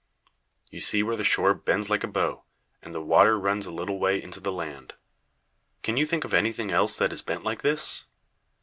You see where the shore bends like a bow; and the water runs a little way into the land. Can you think of anything else that is bent like this?